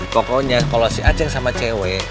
pokoknya kalo si acek sama cewek